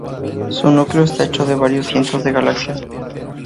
Su núcleo esta hecho de varios cientos de galaxias.